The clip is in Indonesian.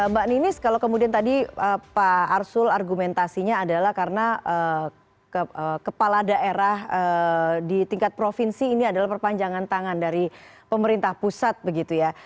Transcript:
mbak ninis kalau kemudian tadi pak arsul argumentasinya adalah karena kepala daerah di tingkat provinsi ini adalah perpanjangan tangan dari pemerintah pusat begitu ya